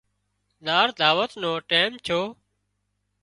زار دعوت نو ٽيم ڇو